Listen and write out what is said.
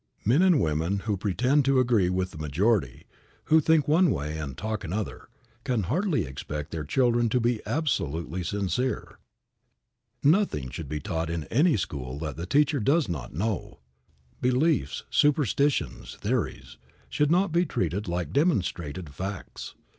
Men and women who pretend to agree with the majority, who think one way and talk another, can hardly expect their children to be absolutely sincere. Nothing should be taught in any school that the teacher does not know. Beliefs, superstitions, theories, should not be treated like demonstrated facts.